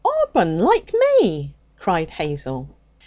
Abron, like me!' cried Hazel.